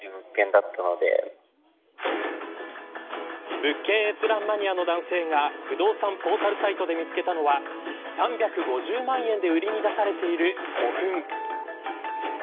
物件閲覧マニアの男性が不動産ポータルサイトで見つけたのは３５０万円で売りに出されている古墳。